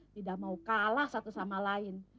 tidak mau kalah satu sama lain